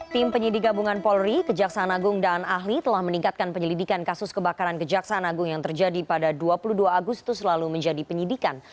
tim penyidik gabungan polri kejaksaan agung dan ahli telah meningkatkan penyelidikan kasus kebakaran kejaksaan agung yang terjadi pada dua puluh dua agustus lalu menjadi penyidikan